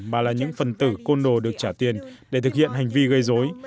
mà là những phần tử côn đồ được trả tiền để thực hiện hành vi gây dối